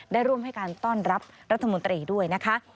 ได้ร่วมให้การต้อนรับรัฐมนตรีด้วยนะคะ